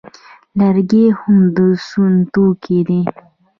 لرګي هم د سون توکي دي